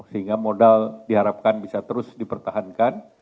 sehingga modal diharapkan bisa terus dipertahankan